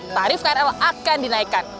tarif krl akan dinaikkan